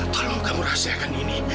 tolong kamu rahasiakan ini